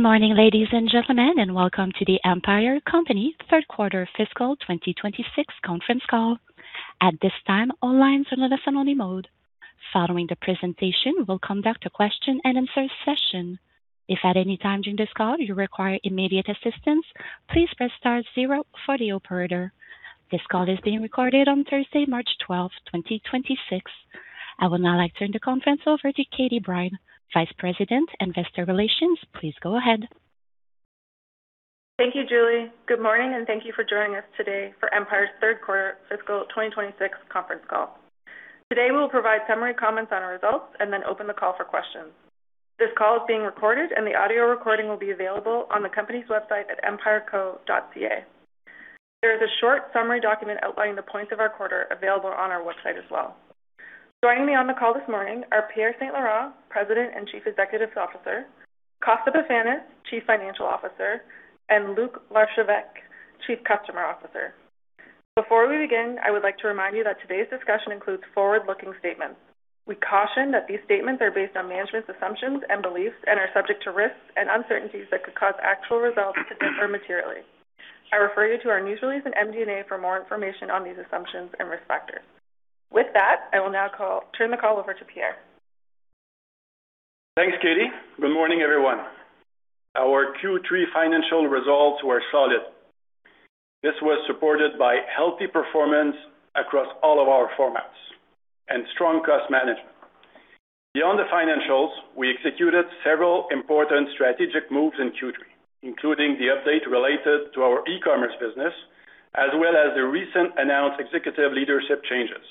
Morning, ladies and gentlemen, and welcome to the Empire Company third quarter fiscal 2026 conference call. At this time, all lines are in listen only mode. Following the presentation, we'll conduct a question-and-answer session. If at any time during this call you require immediate assistance, please press star zero for the operator. This call is being recorded on Thursday, March 12, 2026. I would now like to turn the conference over to Katie Brine, Vice President, Investor Relations. Please go ahead. Thank you, Julie. Good morning, and thank you for joining us today for Empire's third quarter fiscal 2026 conference call. Today, we'll provide summary comments on our results and then open the call for questions. This call is being recorded, and the audio recording will be available on the company's website at empireco.ca. There is a short summary document outlining the points of our quarter available on our website as well. Joining me on the call this morning are Pierre St-Laurent, President and Chief Executive Officer, Constantine Pefanis, Chief Financial Officer, and Luc L'Archevêque, Chief Customer Officer. Before we begin, I would like to remind you that today's discussion includes forward-looking statements. We caution that these statements are based on management's assumptions and beliefs and are subject to risks and uncertainties that could cause actual results to differ materially. I refer you to our news release in MD&A for more information on these assumptions and risk factors. With that, I will now turn the call over to Pierre. Thanks, Katie. Good morning, everyone. Our Q3 financial results were solid. This was supported by healthy performance across all of our formats and strong cost management. Beyond the financials, we executed several important strategic moves in Q3, including the update related to our e-commerce business, as well as the recent announced executive leadership changes.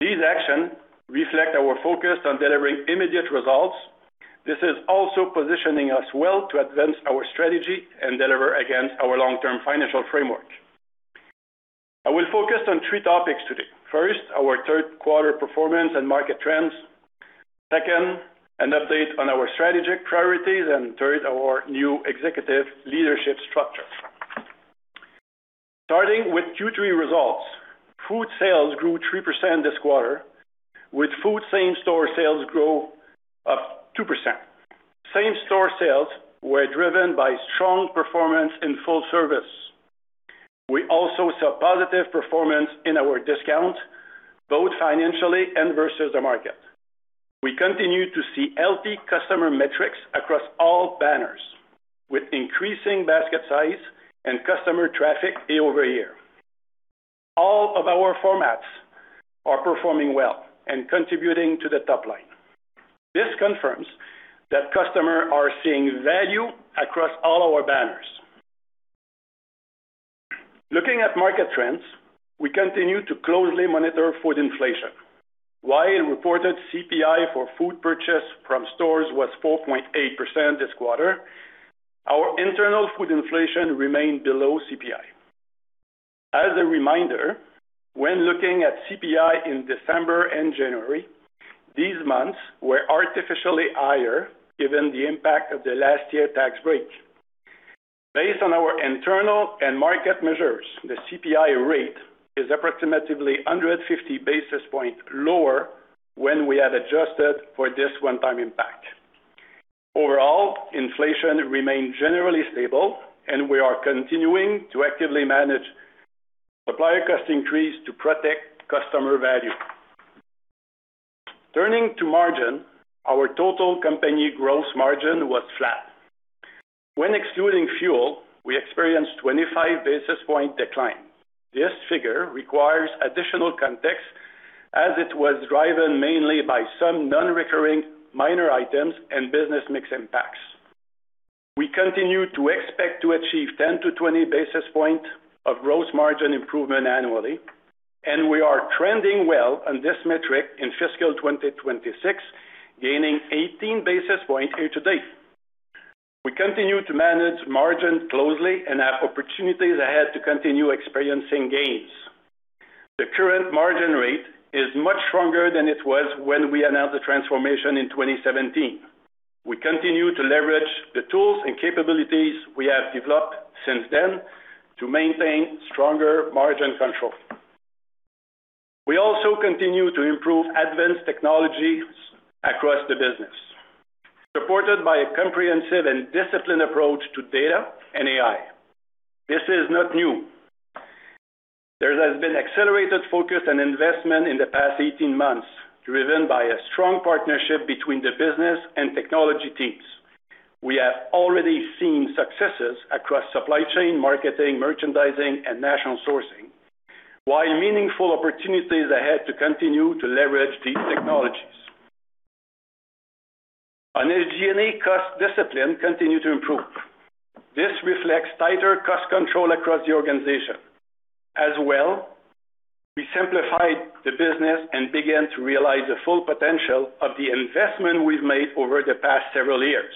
These actions reflect our focus on delivering immediate results. This is also positioning us well to advance our strategy and deliver against our long-term financial framework. I will focus on three topics today. First, our third quarter performance and market trends. Second, an update on our strategic priorities, and third, our new executive leadership structure. Starting with Q3 results, food sales grew 3% this quarter, with food same-store sales growth of 2%. Same-store sales were driven by strong performance in full service. We also saw positive performance in our discount, both financially and versus the market. We continue to see healthy customer metrics across all banners, with increasing basket size and customer traffic year-over-year. All of our formats are performing well and contributing to the top line. This confirms that customers are seeing value across all our banners. Looking at market trends, we continue to closely monitor food inflation. While a reported CPI for food purchase from stores was 4.8% this quarter, our internal food inflation remained below CPI. As a reminder, when looking at CPI in December and January, these months were artificially higher given the impact of the last year tax break. Based on our internal and market measures, the CPI rate is approximately 150 basis points lower when we had adjusted for this one-time impact. Overall, inflation remained generally stable and we are continuing to actively manage supplier cost increase to protect customer value. Turning to margin, our total company gross margin was flat. When excluding fuel, we experienced 25 basis point decline. This figure requires additional context as it was driven mainly by some non-recurring minor items and business mix impacts. We continue to expect to achieve 10-20 basis point of gross margin improvement annually, and we are trending well on this metric in fiscal 2026, gaining 18 basis points year to date. We continue to manage margin closely and have opportunities ahead to continue experiencing gains. The current margin rate is much stronger than it was when we announced the transformation in 2017. We continue to leverage the tools and capabilities we have developed since then to maintain stronger margin control. We also continue to improve advanced technologies across the business, supported by a comprehensive and disciplined approach to data and AI. This is not new. There has been accelerated focus and investment in the past 18 months, driven by a strong partnership between the business and technology teams. We have already seen successes across supply chain, marketing, merchandising, and national sourcing, while meaningful opportunities ahead to continue to leverage these technologies. On SG&A cost discipline continue to improve. This reflects tighter cost control across the organization. As well, we simplified the business and began to realize the full potential of the investment we've made over the past several years.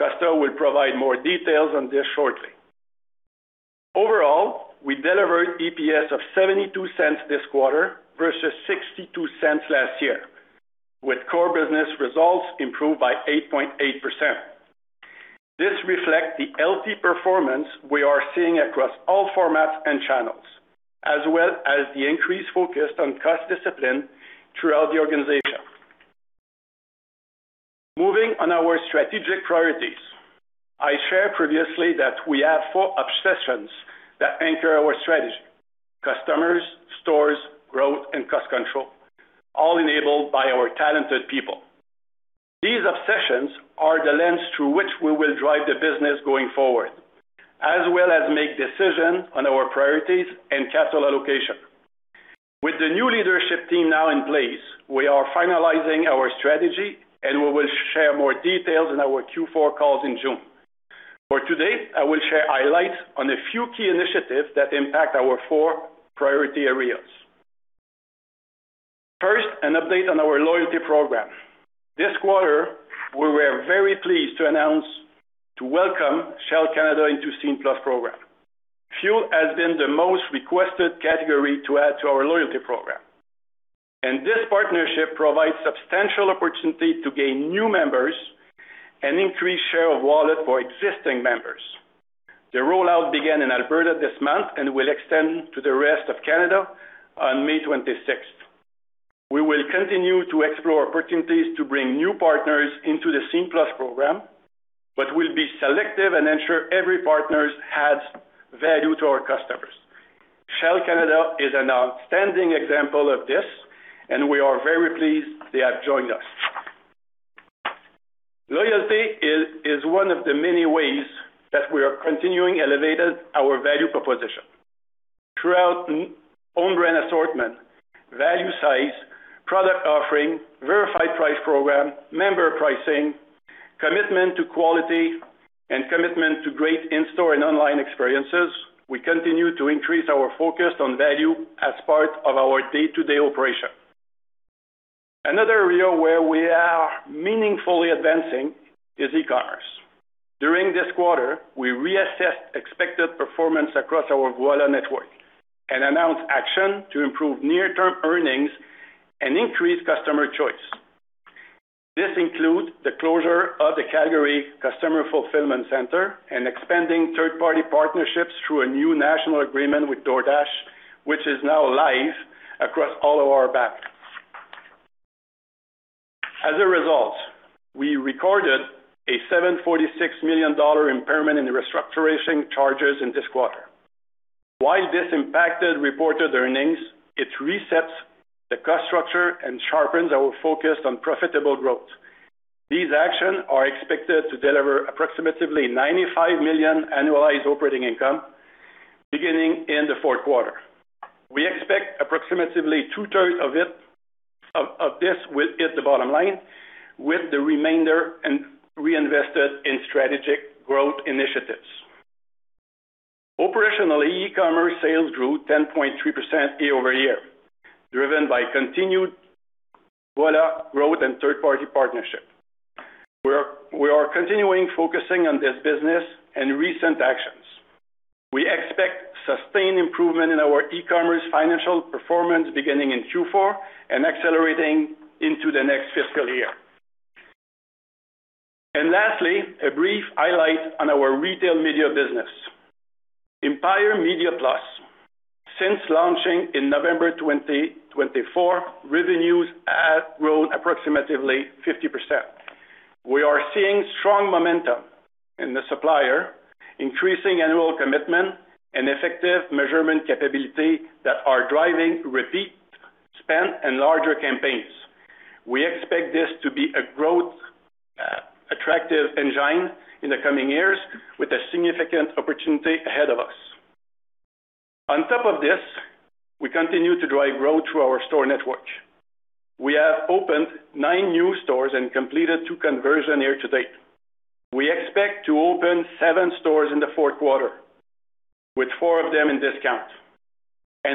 Costa will provide more details on this shortly. Overall, we delivered EPS of 0.72 this quarter versus 0.62 last year, with core business results improved by 8.8%. This reflects the healthy performance we are seeing across all formats and channels. As well as the increase focused on cost discipline throughout the organization. Moving on to our strategic priorities, I shared previously that we have four obsessions that anchor our strategy, customers, stores, growth, and cost control, all enabled by our talented people. These obsessions are the lens through which we will drive the business going forward, as well as make decisions on our priorities and capital allocation. With the new leadership team now in place, we are finalizing our strategy, and we will share more details in our Q4 calls in June. For today, I will share highlights on a few key initiatives that impact our four priority areas. First, an update on our loyalty program. This quarter, we were very pleased to announce the welcome to Shell Canada into Scene+ program. Fuel has been the most requested category to add to our loyalty program, and this partnership provides substantial opportunity to gain new members and increase share of wallet for existing members. The rollout began in Alberta this month and will extend to the rest of Canada on May twenty-sixth. We will continue to explore opportunities to bring new partners into the Scene+ program, but we'll be selective and ensure every partner adds value to our customers. Shell Canada is an outstanding example of this, and we are very pleased they have joined us. Loyalty is one of the many ways that we are continuing to elevate our value proposition. Through our own brand assortment, value size, product offering, verified price program, member pricing, commitment to quality, and commitment to great in-store and online experiences, we continue to increase our focus on value as part of our day-to-day operation. Another area where we are meaningfully advancing is e-commerce. During this quarter, we reassessed expected performance across our Voilà network and announced action to improve near-term earnings and increase customer choice. This includes the closure of the Calgary Customer Fulfillment Center and expanding third-party partnerships through a new national agreement with DoorDash, which is now live across all of our banners. As a result, we recorded a 746 million dollar impairment in the restructuring charges in this quarter. While this impacted reported earnings, it resets the cost structure and sharpens our focus on profitable growth. These actions are expected to deliver approximately 95 million annualized operating income beginning in the fourth quarter. We expect approximately 2/3 Of this will hit the bottom line, with the remainder reinvested in strategic growth initiatives. Operationally, e-commerce sales grew 10.3% year-over-year, driven by continued Voilà growth and third-party partnership. We are continuing focusing on this business and recent actions. We expect sustained improvement in our e-commerce financial performance beginning in Q4 and accelerating into the next fiscal year. Lastly, a brief highlight on our retail media business, Empire Media+. Since launching in November 2024, revenues have grown approximately 50%. We are seeing strong momentum in the supplier, increasing annual commitment and effective measurement capability that are driving repeat spend and larger campaigns. We expect this to be a growth attractive engine in the coming years with a significant opportunity ahead of us. On top of this, we continue to drive growth through our store network. We have opened nine new stores and completed two conversion year to date. We expect to open seven stores in the fourth quarter, with four of them in discount.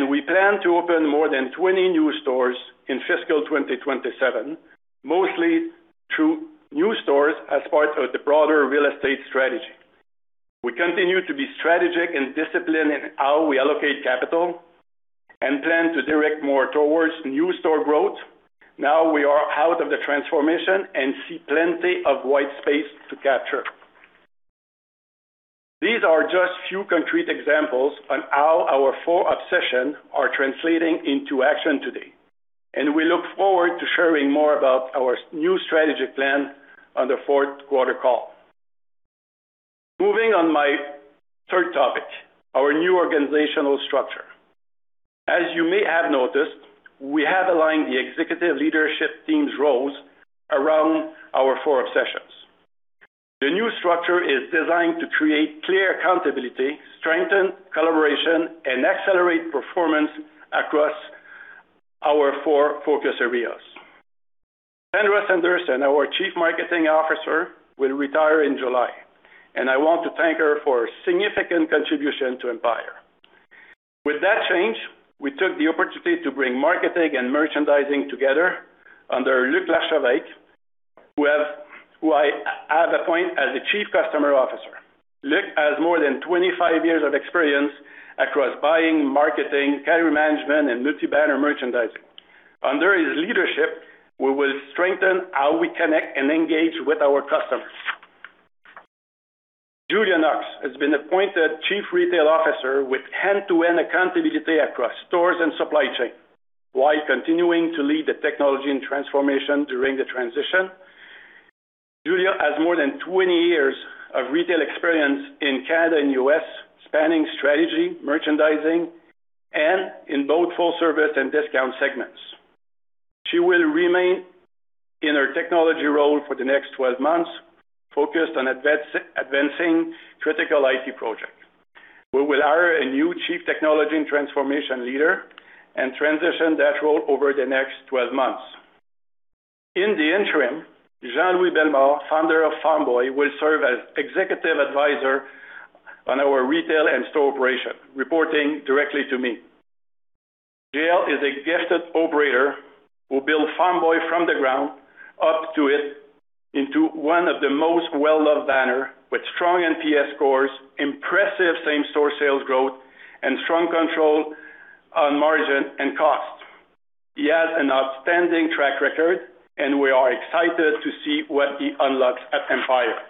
We plan to open more than 20 new stores in fiscal 2027, mostly through new stores as part of the broader real estate strategy. We continue to be strategic and disciplined in how we allocate capital and plan to direct more towards new store growth, now we are out of the transformation and see plenty of white space to capture. These are just few concrete examples on how our four obsessions are translating into action today, and we look forward to sharing more about our new strategic plan on the fourth quarter call. Moving on to my third topic, our new organizational structure. As you may have noticed, we have aligned the executive leadership team's roles around our four obsessions. The new structure is designed to create clear accountability, strengthen collaboration, and accelerate performance across our four focus areas. Sandra Sanderson, our Chief Marketing Officer, will retire in July, and I want to thank her for significant contribution to Empire. With that change, we took the opportunity to bring marketing and merchandising together under Luc L'Archevêque, who I have appointed as the Chief Customer Officer. Luc L'Archevêque has more than 25 years of experience across buying, marketing, category management, and multi-banner merchandising. Under his leadership, we will strengthen how we connect and engage with our customers. Julia Knox has been appointed Chief Retail Officer with end-to-end accountability across stores and supply chain, while continuing to lead the technology and transformation during the transition. Julia has more than 20 years of retail experience in Canada and U.S., spanning strategy, merchandising, and in both full service and discount segments. She will remain in her technology role for the next 12 months, focused on advancing critical IT projects. We will hire a new Chief Technology and Transformation Leader and transition that role over the next 12 months. In the interim, Jean-Louis Bellemare, founder of Farm Boy, will serve as Executive Advisor on our retail and store operation, reporting directly to me. JL is a gifted operator who built Farm Boy from the ground up into one of the most well-loved banner, with strong NPS scores, impressive same-store sales growth, and strong control on margin and cost. He has an outstanding track record, and we are excited to see what he unlocks at Empire.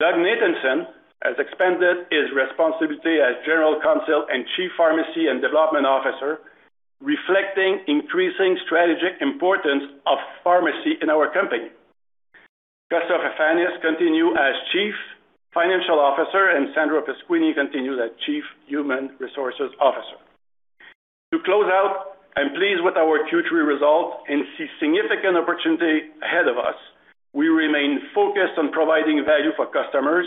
Doug Nathanson has expanded his responsibility as General Counsel and Chief Pharmacy and Development Officer, reflecting increasing strategic importance of pharmacy in our company. Constantine Pefanis continues as Chief Financial Officer, and Sandra Pasquini continues as Chief Human Resources Officer. To close out, I'm pleased with our Q3 results and see significant opportunity ahead of us. We remain focused on providing value for customers,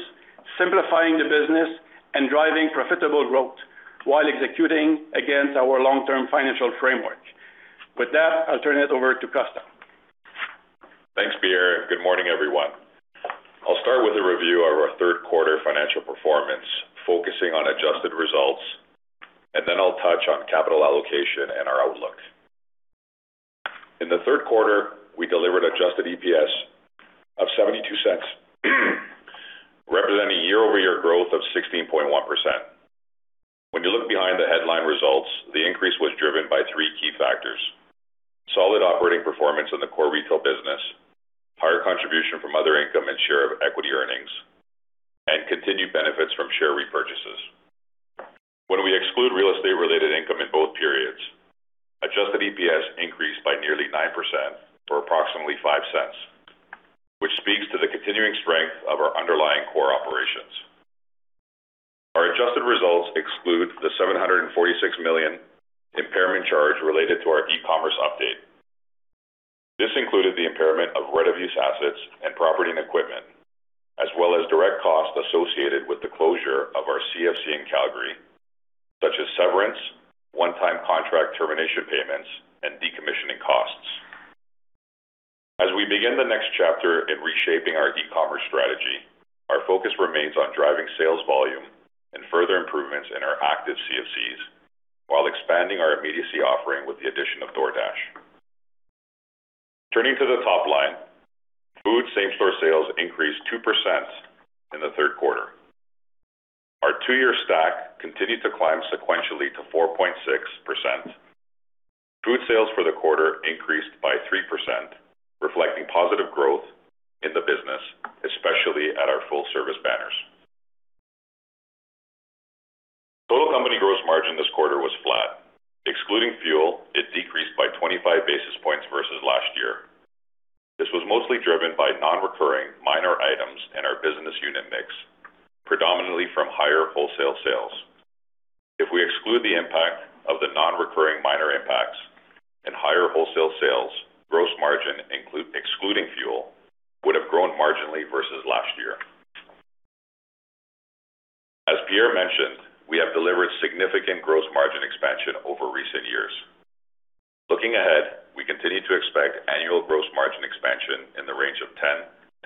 simplifying the business, and driving profitable growth while executing against our long-term financial framework. With that, I'll turn it over to Costa. Thanks, Pierre. Good morning, everyone. I'll start with a review of our third quarter financial performance, focusing on adjusted results, and then I'll touch on capital allocation and our outlook. In the third quarter, we delivered adjusted EPS of 0.72, representing a year-over-year growth of 16.1%. When you look behind the headline results, the increase was driven by three key factors, solid operating performance in the core retail business, higher contribution from other income and share of equity earnings, and continued benefits from share repurchases. When we exclude real estate-related income in both periods, adjusted EPS increased by nearly 9% for approximately 0.05, which speaks to the continuing strength of our underlying core operations. Our adjusted results exclude the 746 million impairment charge related to our e-commerce update. This included the impairment of right-of-use assets and property and equipment, as well as direct costs associated with the closure of our CFC in Calgary, such as severance, one-time contract termination payments, and decommissioning costs. As we begin the next chapter in reshaping our e-commerce strategy, our focus remains on driving sales volume and further improvements in our active CFCs while expanding our immediacy offering with the addition of DoorDash. Turning to the top line, food same-store sales increased 2% in the third quarter. Our two-year stack continued to climb sequentially to 4.6%. Food sales for the quarter increased by 3%, reflecting positive growth in the business, especially at our full service banners. Total company gross margin this quarter was flat. Excluding fuel, it decreased by 25 basis points versus last year. This was mostly driven by non-recurring minor items in our business unit mix, predominantly from higher wholesale sales. If we exclude the impact of the non-recurring minor impacts and higher wholesale sales, gross margin excluding fuel would have grown marginally versus last year. As Pierre mentioned, we have delivered significant gross margin expansion over recent years. Looking ahead, we continue to expect annual gross margin expansion in the range of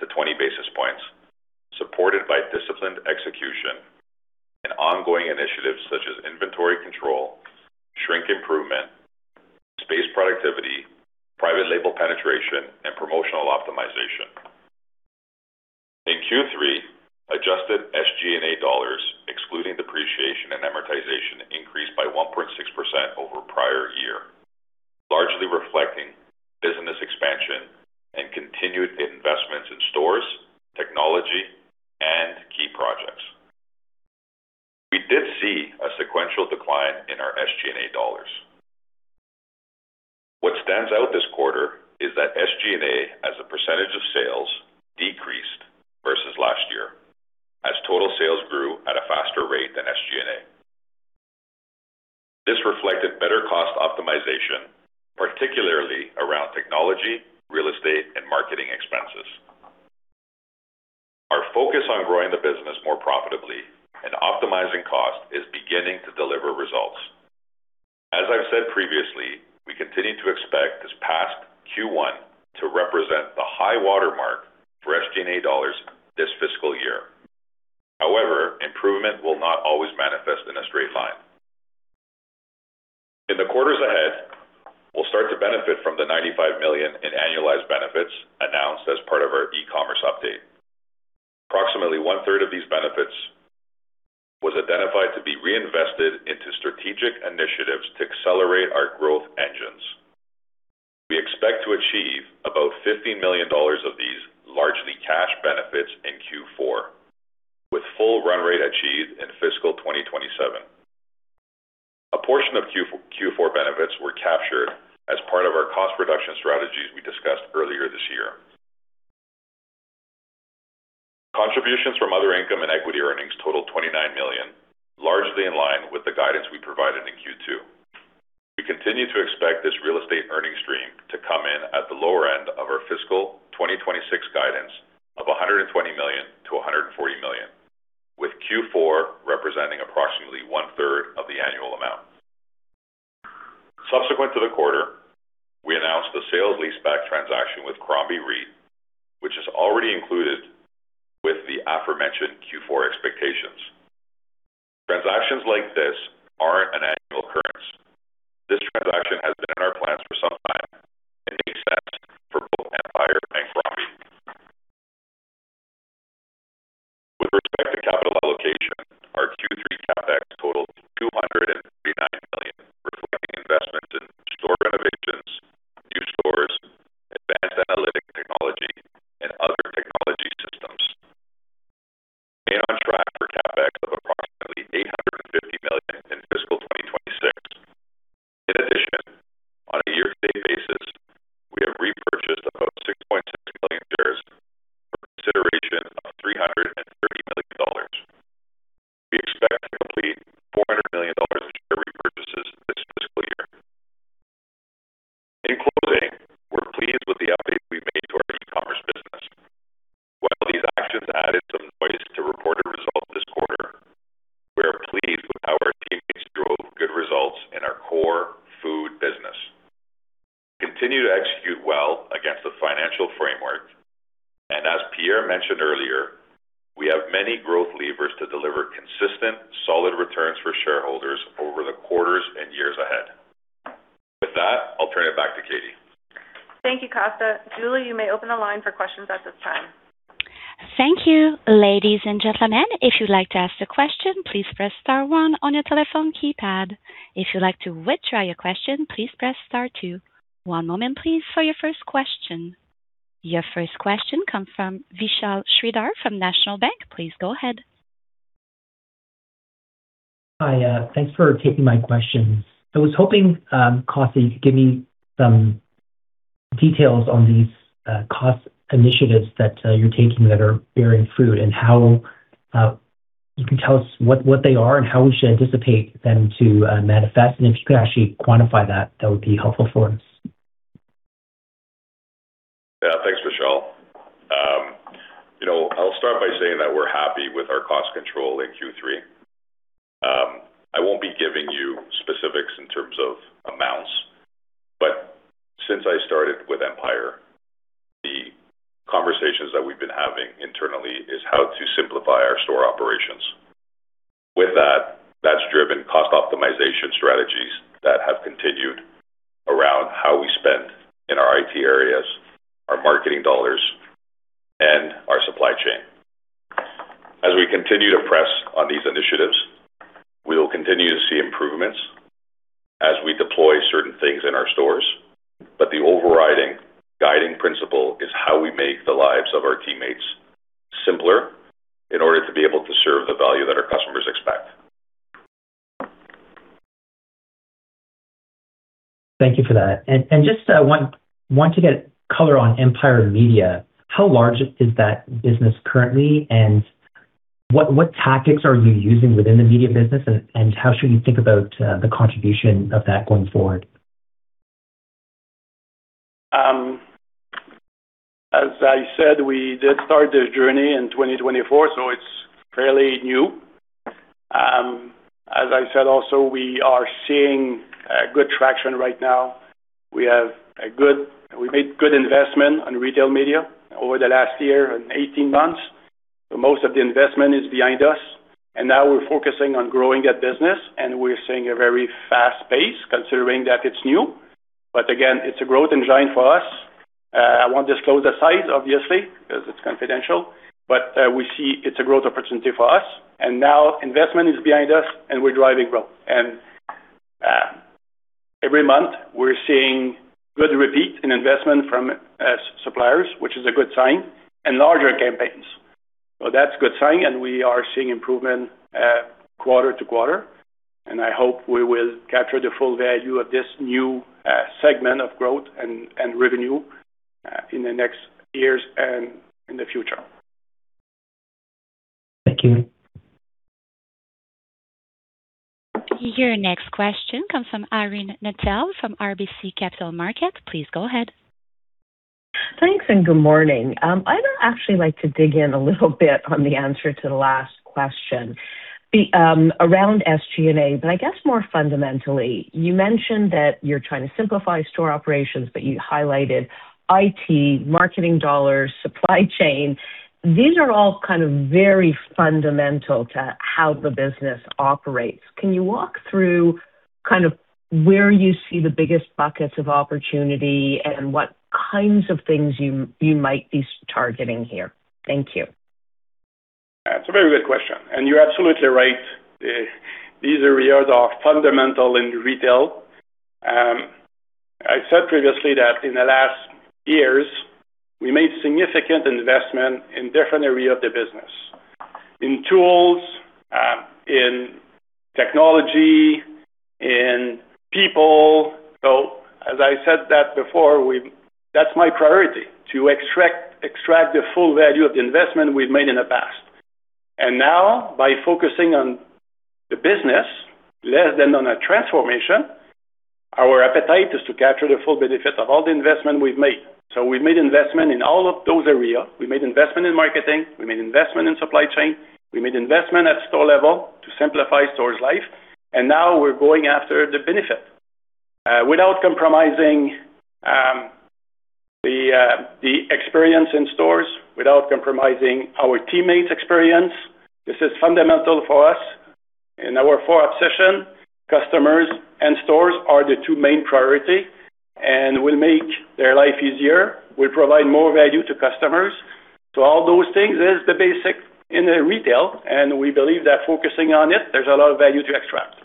10-20 basis points, supported by disciplined execution and ongoing initiatives such as inventory control, shrink improvement, space productivity, private label penetration, and promotional optimization. In Q3, adjusted SG&A dollars, excluding depreciation and amortization, increased by 1.6% over prior year, largely reflecting business expansion and continued investments in stores, technology, and key projects. We did see a sequential decline in our SG&A dollars. What stands out this quarter is that SG&A, as a percentage of sales, decreased versus last year as total sales grew at a faster rate than SG&A. This reflected better cost optimization, particularly around technology, real estate, and marketing expenses. Our focus on growing the business more profitably and optimizing cost is beginning to deliver results. As I've said previously, we continue to expect this past Q1 to represent the high-water mark for SG&A dollars this fiscal year. However, improvement will not always manifest in a straight line. In the quarters ahead, we'll start to benefit from the 95 million in annualized benefits announced as part of our e-commerce update. Approximately 1/3 of these benefits was identified to be reinvested into strategic initiatives to about 15 million dollars of these largely cash benefits in Q4, with full run rate achieved in fiscal 2027. A portion of Q4 benefits were captured as part of our cost reduction strategies we discussed earlier this year. Contributions from other income and equity earnings totaled 29 million, largely in line with the guidance we provided in Q2. We continue to expect this real estate earnings stream to come in at the lower end of our fiscal 2026 guidance of 120 million-140 million, with Q4 representing approximately 1/3 of the annual amount. Subsequent to the quarter, we announced the sale leaseback transaction with Crombie REIT, which is already included with the aforementioned Q4 expectations. Transactions like this aren't an annual initiatives that you're taking that are bearing fruit and how you can tell us what they are and how we should anticipate them to manifest, and if you could actually quantify that would be helpful for us. Yeah. Thanks, Vishal. I'll start by saying that we're happy with our cost control in Q3. I won't be giving you specifics in terms of amounts, but since I started with Empire, the conversations that we've been having internally is how to simplify our store operations. With that's driven cost optimization strategies that have continued around how we spend in our IT areas, our marketing dollars, and our supply chain. As we continue to press on these initiatives, we will continue to see improvements as we deploy certain things in our stores. The overriding guiding principle is how we make the lives of our teammates simpler in order to be able to serve the value that our customers expect. Thank you for that. Just want to get color on Empire Media, how large is that business currently? What tactics are you using within the media business? How should we think about the contribution of that going forward? As I said, we did start this journey in 2024, so it's fairly new. As I said, also, we are seeing good traction right now. We made good investment on retail media over the last year and 18 months. Most of the investment is behind us, and now we're focusing on growing that business, and we're seeing a very fast pace considering that it's new. But again, it's a growth engine for us. I won't disclose the size, obviously, because it's confidential, but we see it's a growth opportunity for us. Now investment is behind us, and we're driving growth. Every month we're seeing good repeat in investment from suppliers, which is a good sign, and larger campaigns. That's a good sign. We are seeing improvement quarter-over-quarter, and I hope we will capture the full value of this new segment of growth and revenue in the next years and in the future. Thank you. Your next question comes from Irene Nattel from RBC Capital Markets. Please go ahead. Thanks, good morning. I'd actually like to dig in a little bit on the answer to the last question, around SG&A. I guess more fundamentally, you mentioned that you're trying to simplify store operations, but you highlighted IT, marketing dollars, supply chain. These are all kind of very fundamental to how the business operates. Can you walk through kind of where you see the biggest buckets of opportunity and what kinds of things you might be targeting here? Thank you. That's a very good question, and you're absolutely right. These areas are fundamental in retail. I said previously that in the last years, we made significant investment in different area of the business, in tools, in technology, in people. As I said that before, that's my priority, to extract the full value of the investment we've made in the past. Now, by focusing on the business less than on a transformation, our appetite is to capture the full benefit of all the investment we've made. We've made investment in all of those areas. We made investment in marketing, we made investment in supply chain, we made investment at store level to simplify stores life, and now we're going after the benefit, without compromising the experience in stores, without compromising our teammates' experience. This is fundamental for us. In our core obsession, customers and stores are the two main priority, and we'll make their life easier. We provide more value to customers. All those things is the basic in the retail, and we believe that focusing on it, there's a lot of value to extract.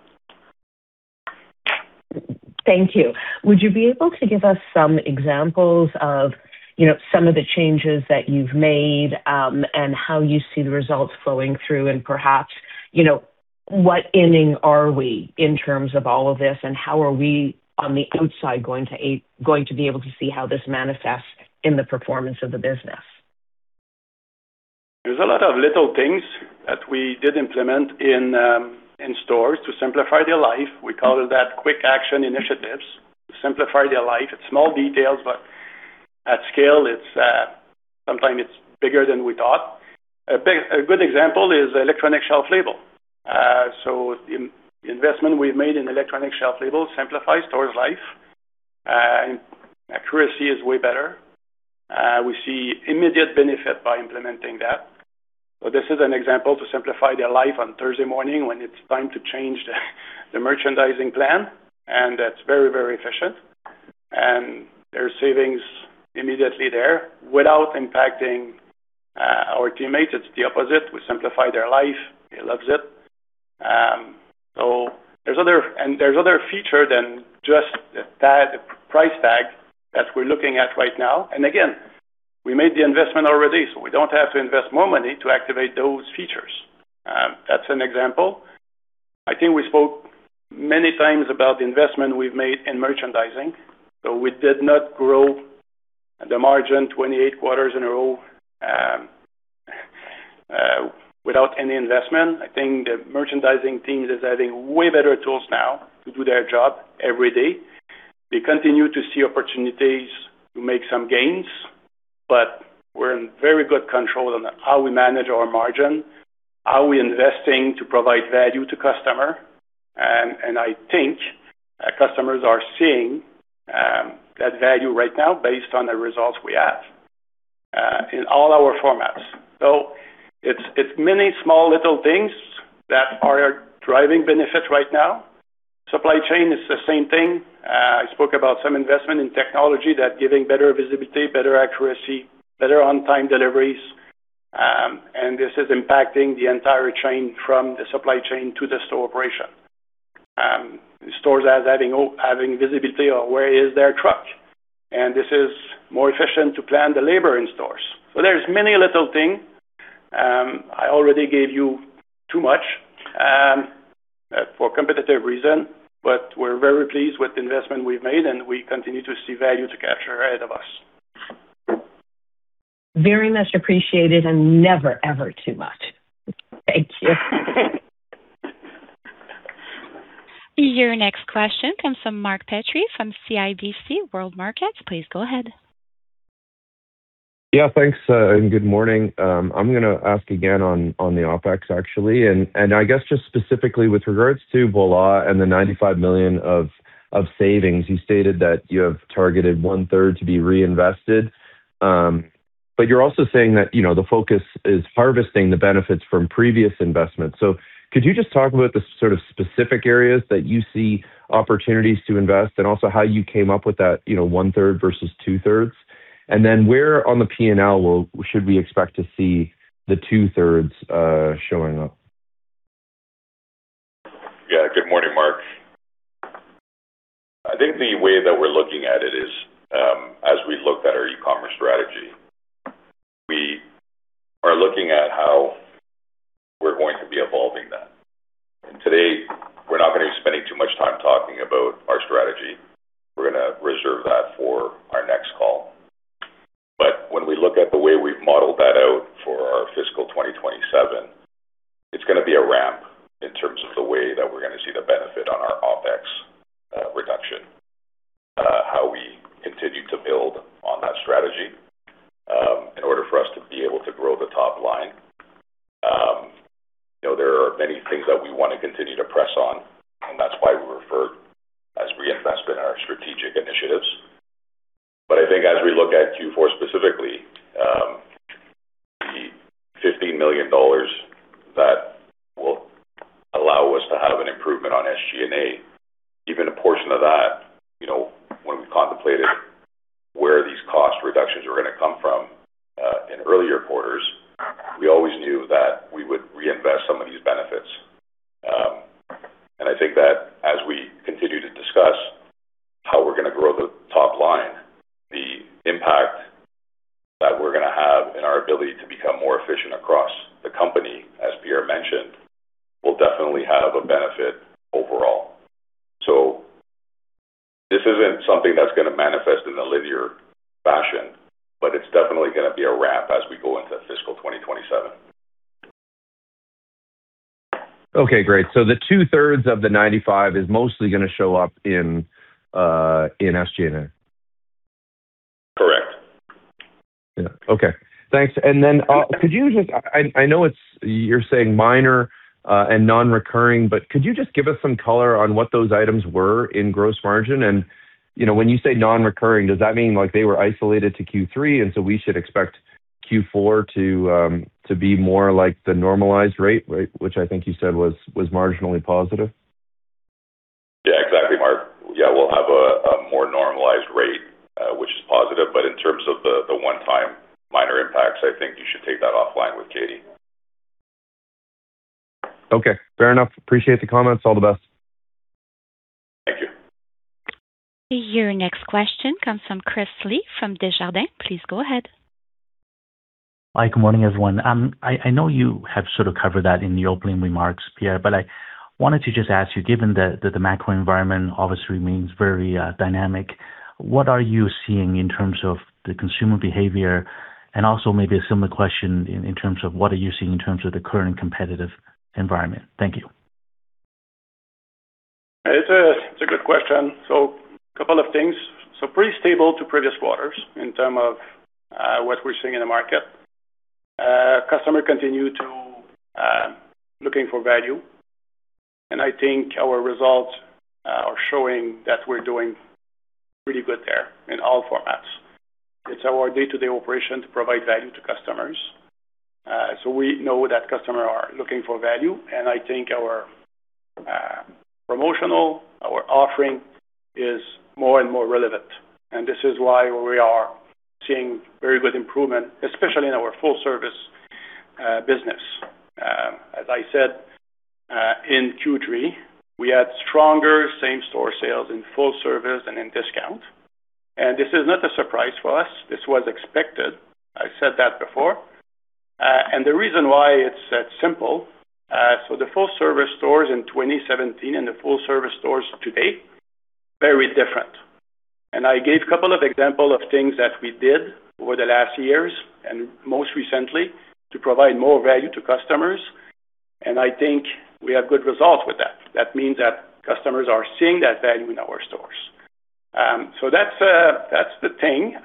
Thank you. Would you be able to give us some examples of, you know, some of the changes that you've made, and how you see the results flowing through? Perhaps, you know, what inning are we in terms of all of this, and how are we on the outside going to be able to see how this manifests in the performance of the business? There's a lot of little things that we did implement in stores to simplify their life. We call that quick action initiatives to simplify their life. It's small details, but at scale, it's sometimes bigger than we thought. A good example is electronic shelf label. Investment we've made in electronic shelf label simplifies store's life. Accuracy is way better. We see immediate benefit by implementing that. This is an example to simplify their life on Thursday morning when it's time to change the merchandising plan, and that's very, very efficient. There's savings immediately there without impacting our teammates. It's the opposite. We simplify their life. He loves it. There's other feature than just that price tag that we're looking at right now. Again, we made the investment already, so we don't have to invest more money to activate those features. That's an example. I think we spoke many times about the investment we've made in merchandising. We did not grow the margin 28 quarters in a row without any investment. I think the merchandising team is adding way better tools now to do their job every day. We continue to see opportunities to make some gains, but we're in very good control on how we manage our margin, how we're investing to provide value to customer. I think our customers are seeing that value right now based on the results we have in all our formats. It's many small little things that are driving benefits right now. Supply chain is the same thing. I spoke about some investment in technology that's giving better visibility, better accuracy, better on-time deliveries. This is impacting the entire chain from the supply chain to the store operation. Stores are having visibility on where their truck is. This is more efficient to plan the labor in stores. There's many little things. I already gave you too much for competitive reason, but we're very pleased with the investment we've made, and we continue to see value to capture ahead of us. Very much appreciated and never, ever too much. Thank you. Your next question comes from Mark Petrie from CIBC World Markets. Please go ahead. Yeah, thanks, and good morning. I'm gonna ask again on the OpEx, actually. I guess just specifically with regards to Voilà and the 95 million of savings, you stated that you have targeted 1/3 to be reinvested. You're also saying that, you know, the focus is harvesting the benefits from previous investments. Could you just talk about the sort of specific areas that you see opportunities to invest and also how you came up with that, you know, 1/3 versus 2/3? Then where on the P&L should we expect to see the 2/3 showing up? Yeah. Good morning, Mark. I think the way that we're looking at it is, as we look at our e-commerce strategy, we are looking at how we're going to be evolving that. Today, we're not gonna be spending too much time talking about our strategy. We're gonna reserve that for our next call. When we look at the way we've modeled that out for our fiscal 2027, it's gonna be a ramp in terms of the way that we're gonna see the benefit on our OpEx reduction, how we continue to build on that strategy, in order for us to be able to grow the top line. You know, there are many things that we wanna continue to press on, and that's why we refer as reinvestment in our strategic initiatives. I think as we look at Q4 specifically, the CAD 15 million that Even a portion of that, you know, when Q4 to be more like the normalized rate, which I think you said was marginally positive. Yeah, exactly, Mark. Yeah, we'll have a more normalized rate, which is positive. In terms of the one-time minor impacts, I think you should take that offline with Katie. Okay, fair enough. Appreciate the comments. All the best. Thank you. Your next question comes from Chris Li from Desjardins. Please go ahead. Hi, good morning, everyone. I know you have sort of covered that in the opening remarks, Pierre, but I wanted to just ask you, given that the macro environment obviously remains very dynamic, what are you seeing in terms of the consumer behavior? Also maybe a similar question in terms of what are you seeing in terms of the current competitive environment? Thank you. It's a good question. Couple of things. Pretty stable to previous quarters in terms of what we're seeing in the market. Customers continue to look for value. I think our results are showing that we're doing pretty good there in all formats. It's our day-to-day operation to provide value to customers. We know that customers are looking for value, and I think our promotional, our offering is more and more relevant. This is why we are seeing very good improvement, especially in our full service business. As I said, in Q3, we had stronger same-store sales in full service and in discount. This is not a surprise for us. This was expected. I said that before. The reason why it's that simple, so the full service stores in 2017 and the full service stores today, very different. I gave a couple of examples of things that we did over the last years and most recently to provide more value to customers, and I think we have good results with that. That means that customers are seeing that value in our stores. That's the thing.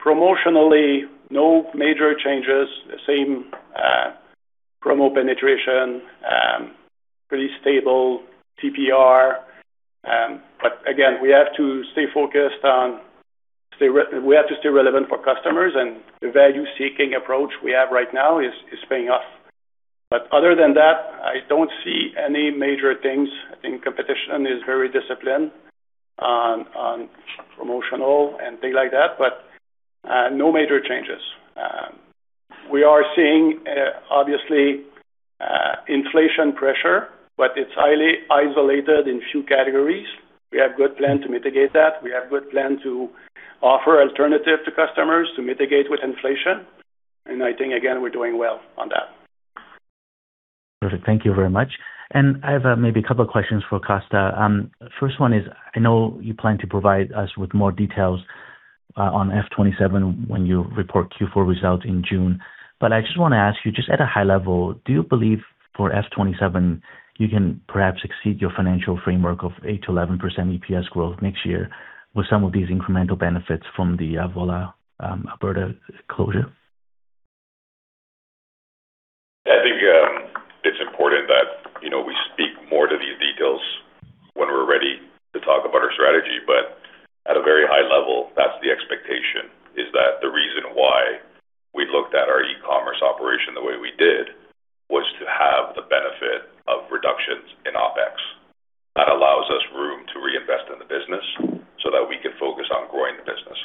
Promotionally, no major changes. The same, promo penetration, pretty stable TPR. Again, we have to stay focused on staying relevant for customers, and the value-seeking approach we have right now is paying off. Other than that, I don't see any major things. I think competition is very disciplined on promotional and things like that, but no major changes. We are seeing, obviously, inflation pressure, but it's highly isolated in few categories. We have good plan to mitigate that. We have good plan to offer alternative to customers to mitigate with inflation. I think, again, we're doing well on that. Perfect. Thank you very much. I have maybe a couple of questions for Costa. First one is, I know you plan to provide us with more details on F2027 when you report Q4 results in June. I just wanna ask you, just at a high level, do you believe for F2027 you can perhaps exceed your financial framework of 8%-11% EPS growth next year with some of these incremental benefits from the Voilà Alberta closure? I think, it's important that, you know, we speak more to these details when we're ready to talk about our strategy. At a very high level, that's the expectation, is that the reason why we looked at our e-commerce operation the way we did was to have the benefit of reductions in OpEx. That allows us room to reinvest in the business so that we can focus on growing the business.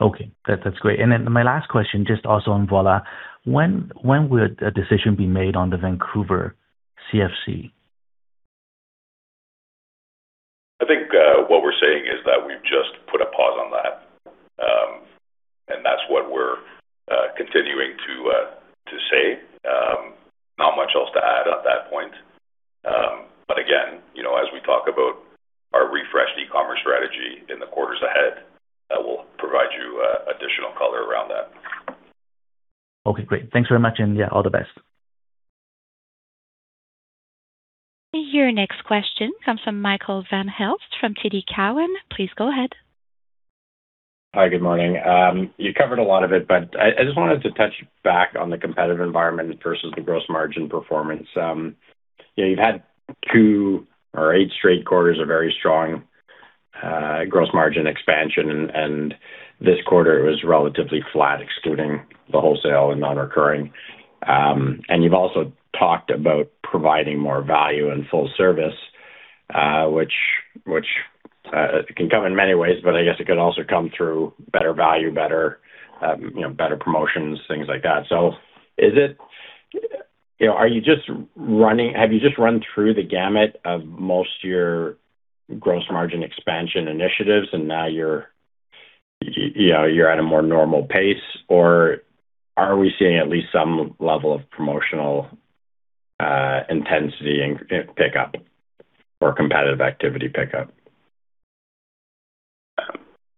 Okay. That's great. My last question, just also on Voilà. When will a decision be made on the Vancouver CFC? I think what we're saying is that we've just put a pause on that. That's what we're continuing to say. Not much else to add at that point. Again, you know, as we talk about our refreshed e-commerce strategy in the quarters ahead, I will provide you additional color around that. Okay, great. Thanks very much. Yeah, all the best. Your next question comes from Michael Van Aelst from TD Cowen. Please go ahead. Hi. Good morning. You covered a lot of it, but I just wanted to touch back on the competitive environment versus the gross margin performance. You know, you've had two or eight straight quarters of very strong Gross margin expansion and this quarter it was relatively flat, excluding the wholesale and non-recurring. You've also talked about providing more value and full service, which can come in many ways, but I guess it could also come through better value, you know, better promotions, things like that. You know, have you just run through the gamut of most of your gross margin expansion initiatives and now you're, you know, you're at a more normal pace, or are we seeing at least some level of promotional intensity and pickup or competitive activity pickup?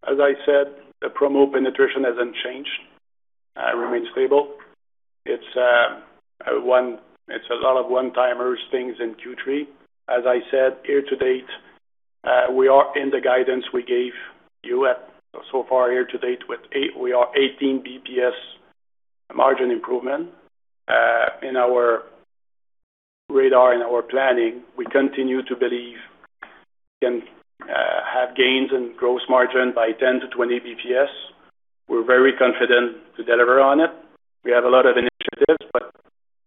As I said, the promo penetration hasn't changed. It remains stable. It's a lot of one-time things in Q3. As I said, year to date, we are in the guidance we gave you as of year to date. We are 18 BPS margin improvement. In our radar, in our planning, we continue to believe we can have gains in gross margin by 10-20 BPS. We're very confident to deliver on it. We have a lot of initiatives, but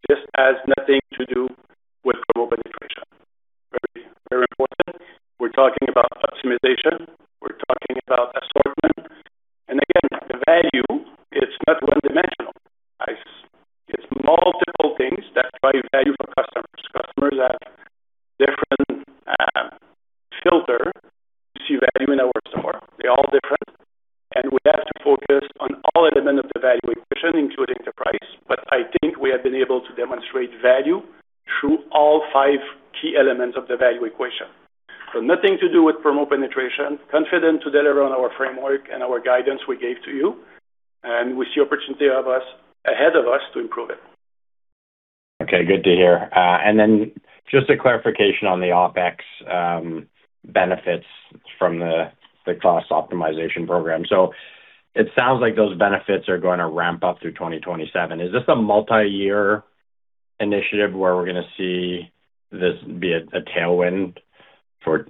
this has nothing to do with promo penetration. Very, very important. We're talking about optimization. We're talking about assortment. Again, the value, it's not one-dimensional price. It's multiple things that drive value for customers. Customers have different filter to see value in our store. They're all different, and we have to focus on all elements of the value equation, including the price. I think we have been able to demonstrate value through all five key elements of the value equation. Nothing to do with promo penetration. Confident to deliver on our framework and our guidance we gave to you, and we see opportunity ahead of us to improve it. Okay, good to hear. Just a clarification on the OpEx benefits from the cost optimization program. It sounds like those benefits are gonna ramp up through 2027. Is this a multi-year initiative where we're gonna see this be a tailwind for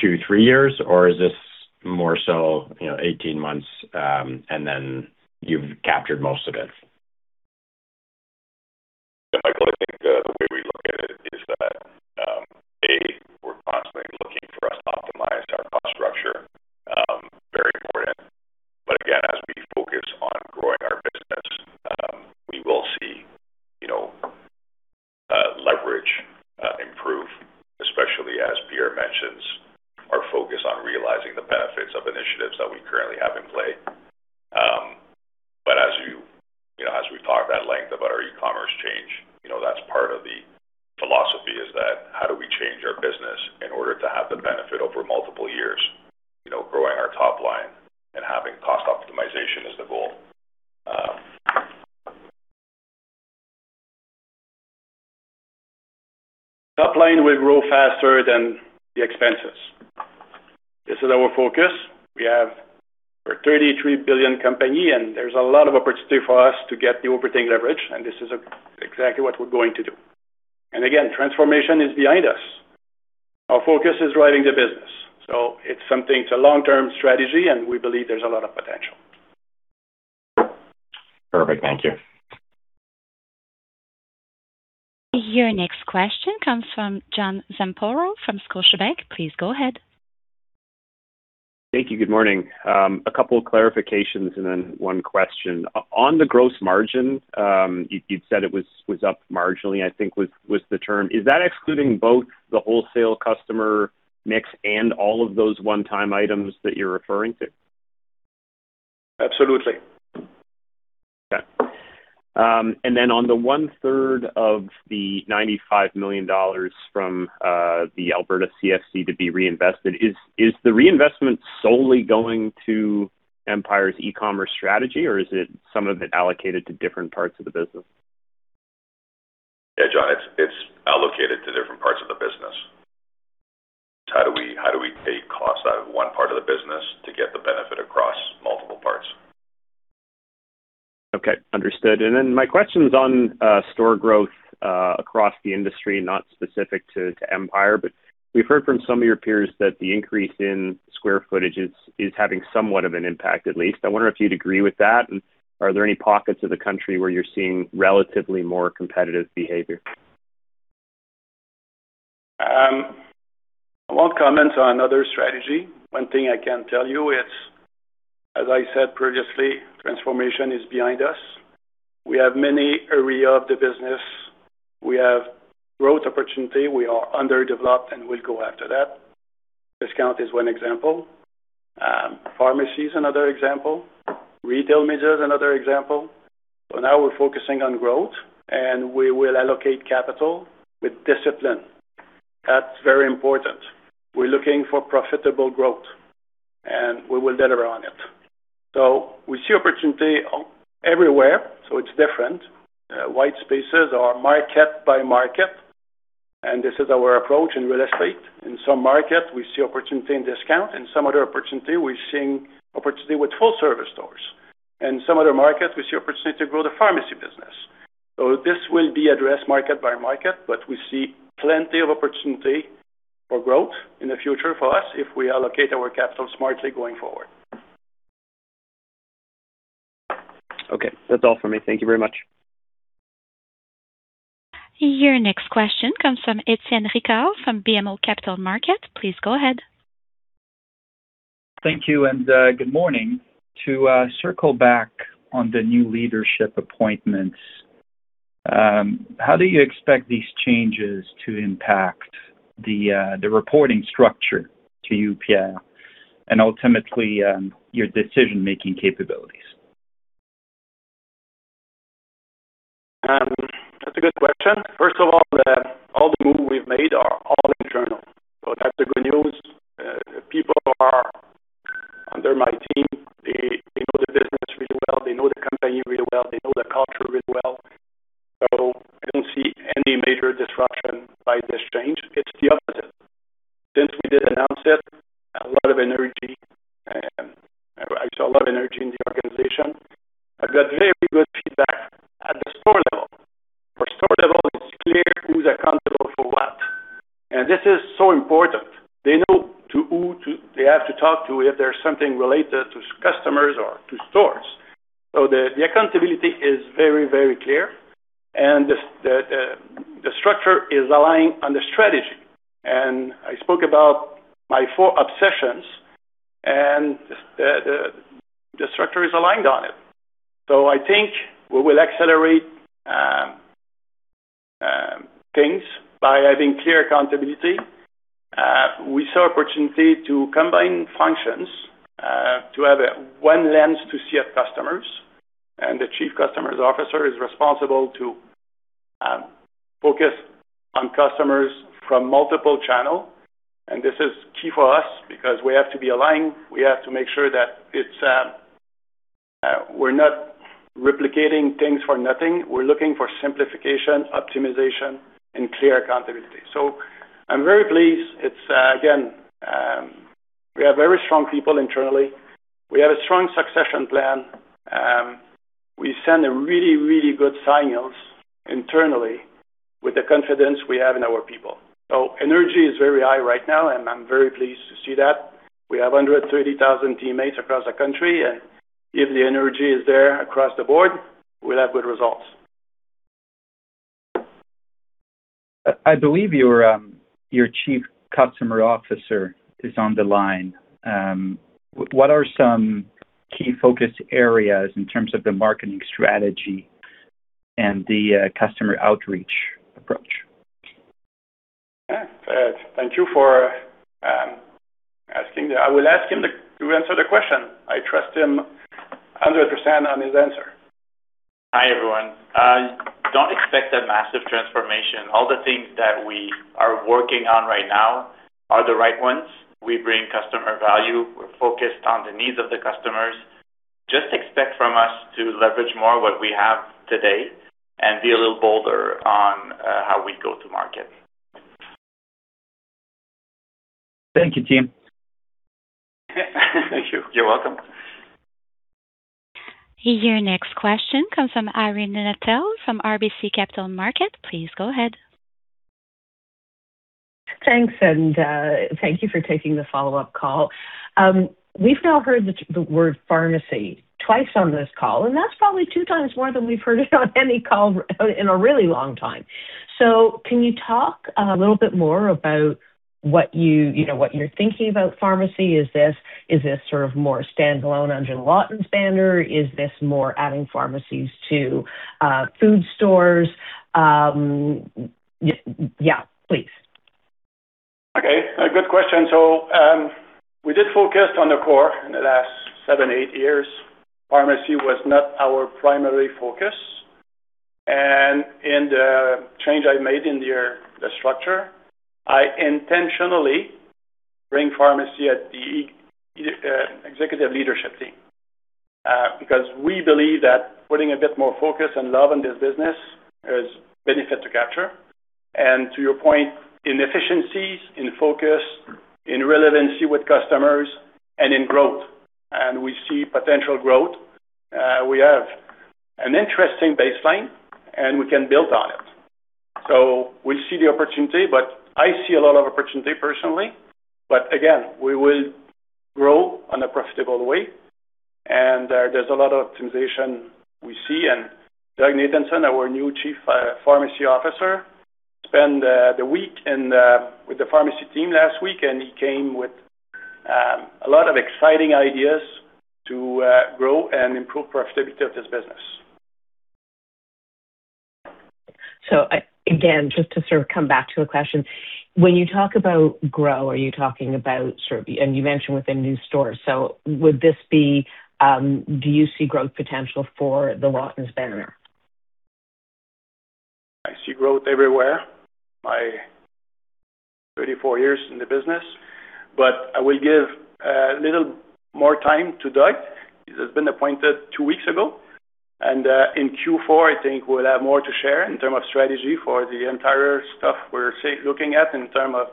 two, three years? Is this more so eighteen months and then you've captured most of it? Yeah, Michael, I think the way we look at it is that we're constantly looking for us to optimize our cost structure, very important. Again, as we focus on growing our business, we will see, you know, leverage improve, especially as Pierre mentions, our focus on realizing the benefits of initiatives that we currently have in play. As you know, as we've talked at length about our e-commerce change, you know, that's part of the philosophy, is that how do we change our business in order to have the benefit over multiple years, you know, growing our top line and having cost optimization as the goal. Top line will grow faster than the expenses. This is our focus. We're a 33 billion company, and there's a lot of opportunity for us to get the operating leverage, and this is exactly what we're going to do. Again, transformation is behind us. Our focus is driving the business. It's something, it's a long-term strategy, and we believe there's a lot of potential. Perfect. Thank you. Your next question comes from John Zamparo from Scotiabank. Please go ahead. Thank you. Good morning. A couple of clarifications and then one question. On the gross margin, you'd said it was up marginally, I think was the term. Is that excluding both the wholesale customer mix and all of those one-time items that you're referring to? Absolutely. On the 1/3 of the 95 million dollars from the Alberta CFC to be reinvested, is the reinvestment solely going to Empire's e-commerce strategy, or is some of it allocated to different parts of the business? Yeah, John, it's allocated to different parts of the business. How do we take costs out of one part of the business to get the benefit across multiple parts? Okay. Understood. My question's on store growth across the industry, not specific to Empire, but we've heard from some of your peers that the increase in square footage is having somewhat of an impact, at least. I wonder if you'd agree with that, and are there any pockets of the country where you're seeing relatively more competitive behavior? I won't comment on other strategy. One thing I can tell you, it's, as I said previously, transformation is behind us. We have many area of the business. We have growth opportunity. We are underdeveloped, and we'll go after that. Discount is one example. Pharmacy is another example. Retail media is another example. So now we're focusing on growth, and we will allocate capital with discipline. That's very important. We're looking for profitable growth, and we will deliver on it. So we see opportunity everywhere, so it's different. White spaces are market by market, and this is our approach in real estate. In some markets, we see opportunity in discount, in some other opportunity, we're seeing opportunity with full service stores. In some other markets, we see opportunity to grow the pharmacy business. This will be addressed market by market, but we see plenty of opportunity for growth in the future for us if we allocate our capital smartly going forward. Okay. That's all for me. Thank you very much. Your next question comes from Étienne Ricard from BMO Capital Markets. Please go ahead. Thank you and good morning. To circle back on the new leadership appointments, how do you expect these changes to impact the reporting structure to you, Pierre, and ultimately your decision-making capabilities? That's a good question. First of all the moves we've made are all internal, so that's the good news. People are under my team. They know the business really well. They know the company really well. They know the culture really well. So I don't see any major disruption by this change. It's the opposite. Since we did announce it, a lot of energy and I saw a lot of energy in the organization. I've got very good feedback at the store level. For store level, it's clear who's accountable for what, and this is so important. They know who to talk to if there's something related to customers or to stores. So the accountability is very, very clear, and the structure is aligned on the strategy. I spoke about my four obsessions, and the structure is aligned on it. I think we will accelerate things by having clear accountability. We saw opportunity to combine functions to have one lens to see our customers, and the Chief Customer Officer is responsible to focus on customers from multiple channels. This is key for us because we have to be aligned. We have to make sure that it's we're not replicating things for nothing. We're looking for simplification, optimization, and clear accountability. I'm very pleased. It's again we have very strong people internally. We have a strong succession plan. We send a really good signals internally with the confidence we have in our people. Energy is very high right now, and I'm very pleased to see that. We have 130,000 teammates across the country, and if the energy is there across the board, we'll have good results. I believe your Chief Customer Officer is on the line. What are some key focus areas in terms of the marketing strategy and the customer outreach approach? Yeah. Thank you for asking that. I will ask him to answer the question. I trust him 100% on his answer. Hi, everyone. Don't expect a massive transformation. All the things that we are working on right now are the right ones. We bring customer value. We're focused on the needs of the customers. Just expect from us to leverage more what we have today and be a little bolder on how we go to market. Thank you, team. Thank you. You're welcome. Your next question comes from Irene Nattel from RBC Capital Markets. Please go ahead. Thanks, thank you for taking the follow-up call. We've now heard the word pharmacy twice on this call, and that's probably two times more than we've heard it on any call in a really long time. Can you talk a little bit more about what you know, what you're thinking about pharmacy? Is this sort of more standalone under the Lawtons' banner? Is this more adding pharmacies to food stores? Yeah, please. Okay. A good question. We did focus on the core in the last seven, eight years. Pharmacy was not our primary focus. In the change I made in the structure, I intentionally bring pharmacy at the executive leadership team, because we believe that putting a bit more focus and love in this business is benefit to capture. To your point, in efficiencies, in focus, in relevancy with customers and in growth. We see potential growth, we have an interesting baseline, and we can build on it. We see the opportunity, but I see a lot of opportunity personally. Again, we will grow on a profitable way, and there's a lot of optimization we see. Douglas Nathanson, our new Chief Pharmacy Officer, spent the week with the pharmacy team last week, and he came with a lot of exciting ideas to grow and improve profitability of this business. Again, just to sort of come back to a question. When you talk about growth, are you talking about sort of. You mentioned within new stores. Would this be, do you see growth potential for the Lawtons banner? I see growth everywhere, my 34 years in the business, but I will give a little more time to Doug. He has been appointed two weeks ago, and in Q4, I think we'll have more to share in terms of strategy for the entire stuff we're looking at in terms of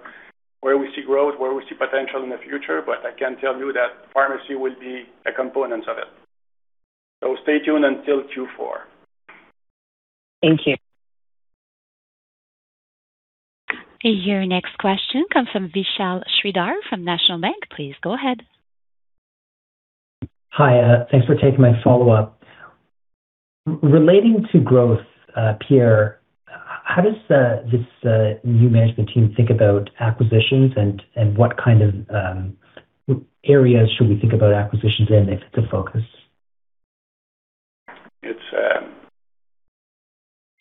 where we see growth, where we see potential in the future, but I can tell you that pharmacy will be a component of it. Stay tuned until Q4. Thank you. Your next question comes from Vishal Shreedhar from National Bank Financial. Please go ahead. Hi. Thanks for taking my follow-up. Relating to growth, Pierre, how does this new management team think about acquisitions and what kind of areas should we think about acquisitions in, if the focus?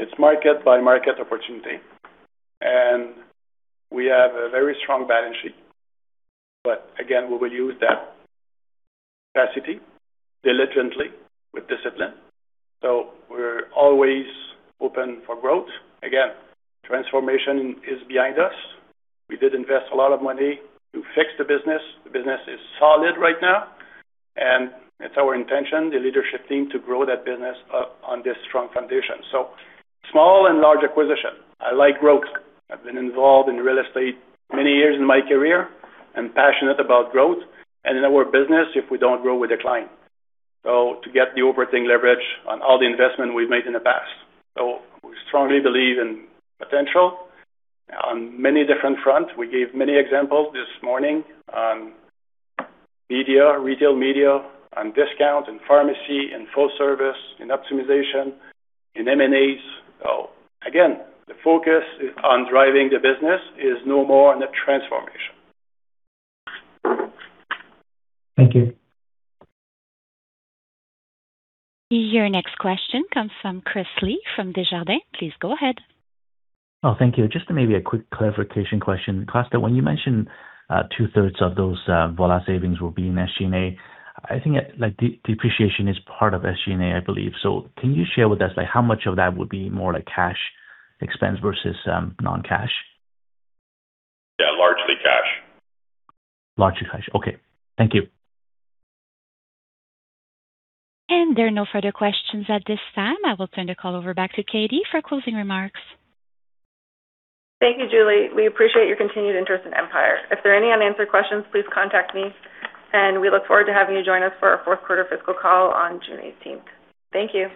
It's market by market opportunity. We have a very strong balance sheet. Again, we will use that capacity diligently with discipline. We're always open for growth. Again, transformation is behind us. We did invest a lot of money to fix the business. The business is solid right now. It's our intention, the leadership team, to grow that business on this strong foundation. Small and large acquisition. I like growth. I've been involved in real estate many years in my career. I'm passionate about growth. In our business, if we don't grow, we decline. To get the operating leverage on all the investment we've made in the past. We strongly believe in potential on many different fronts. We gave many examples this morning on media, retail media, on discount, in pharmacy, in full service, in optimization, in M&As. Again, the focus is on driving the business. It's no more on the transformation. Thank you. Your next question comes from Chris Li from Desjardins. Please go ahead. Oh, thank you. Just maybe a quick clarification question. Costa, when you mentioned 2/3 of those Voilà savings will be in SG&A, I think, like, depreciation is part of SG&A, I believe. Can you share with us, like, how much of that would be more, like, cash expense versus non-cash? Yeah, largely cash. Largely cash. Okay. Thank you. There are no further questions at this time. I will turn the call over back to Katie for closing remarks. Thank you, Julie. We appreciate your continued interest in Empire. If there are any unanswered questions, please contact me, and we look forward to having you join us for our fourth quarter fiscal call on June 18th. Thank you.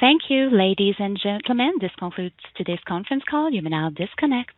Thank you, ladies and gentlemen. This concludes today's conference call. You may now disconnect.